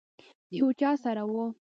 د یو چا سره وه.